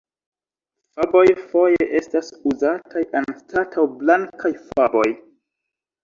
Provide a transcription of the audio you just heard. Faboj foje estas uzataj anstataŭ blankaj faboj.